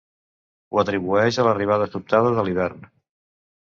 Ho atribueix a l'arribada sobtada de l'hivern.